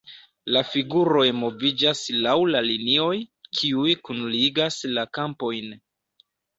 La figuroj moviĝas laŭ la linioj, kiuj kunligas la kampojn.